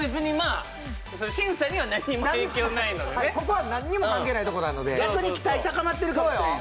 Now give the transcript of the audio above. ここは何も関係ないとこなので逆に期待高まってるかもしれんよ